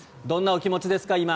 どんなお気持ちですか？